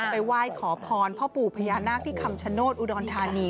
ไปไหว้ขอพรพ่อปู่พญานาคที่คำชโนธอุดรธานี